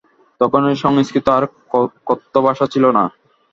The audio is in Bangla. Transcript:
তখনই সংস্কৃত আর কথ্যভাষা ছিল না।